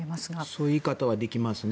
そういう言い方はできますね。